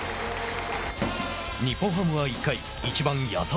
日本ハムは１回、１番矢澤。